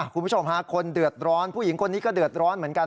คุณผู้ชมฮะคนเดือดร้อนผู้หญิงคนนี้ก็เดือดร้อนเหมือนกัน